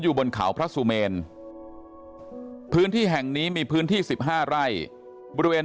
บนเขาพระสุเมนพื้นที่แห่งนี้มีพื้นที่๑๕ไร่บริเวณ